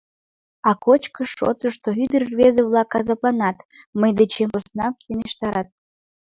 А кочкыш шотышто ӱдыр-рвезе-влак азапланат, мый дечем поснак йӧнештарат.